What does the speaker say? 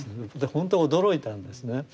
ほんと驚いたんですね。